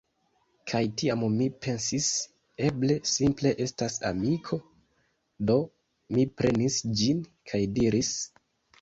Kaj tiam mi pensis: "Eble simple estas amiko?" do mi prenis ĝin, kaj diris: